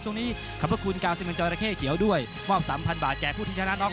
ช่วงนี้ขอบคุณ๙๑จรรยาเข้เขียวด้วยมอบสามพันบาทแก่ผู้ที่ชนะน้อง